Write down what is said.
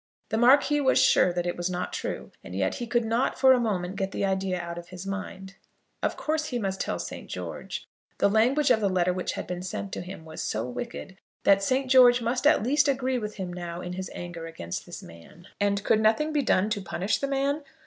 The Marquis was sure that it was not true, and yet he could not for a moment get the idea out of his mind. Of course he must tell St. George. The language of the letter which had been sent to him was so wicked, that St. George must at least agree with him now in his anger against this man. And could nothing be done to punish the man?